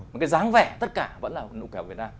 một cái dáng vẻ tất cả vẫn là nụ cười của việt nam